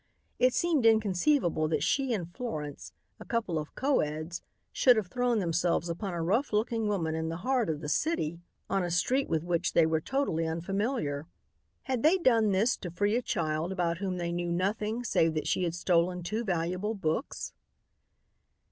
It seemed inconceivable that she and Florence, a couple of co eds, should have thrown themselves upon a rough looking woman in the heart of the city on a street with which they were totally unfamiliar. Had they done this to free a child about whom they knew nothing save that she had stolen two valuable books?